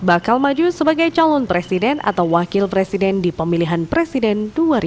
bakal maju sebagai calon presiden atau wakil presiden di pemilihan presiden dua ribu sembilan belas